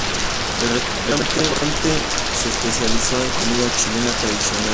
El restaurante se especializa en comida chilena tradicional.